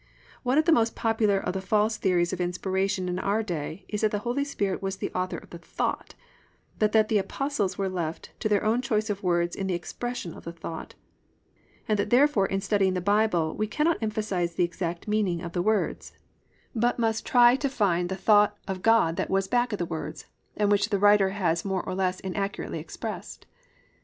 "+ One of the most popular of the false theories of Inspiration in our day is that the Holy Spirit was the author of the thought, but that the Apostles were left to their own choice of words in the expression of the thought, and that therefore in studying the Bible we cannot emphasise the exact meaning of the words, but must try to find the thought of God that was back of the words, and which the writer has more or less inaccurately expressed.